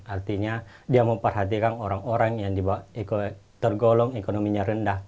artinya dia memperhatikan orang orang yang tergolong ekonominya rendah